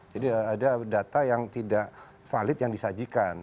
jadi ada data yang tidak valid yang disajikan